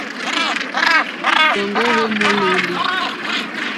Hwèɔ́ŋɡɔ́ hwé !mólélí.